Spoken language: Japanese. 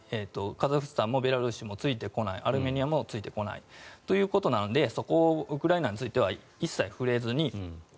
カザフスタンもベラルーシもついてこないアルメニアもついてこないということなのでそこをウクライナについては一切触れずに。